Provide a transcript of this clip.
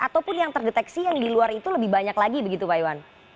ataupun yang terdeteksi yang di luar itu lebih banyak lagi begitu pak iwan